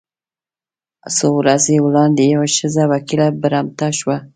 څو ورځې وړاندې یوه ښځه وکیله برمته شوه.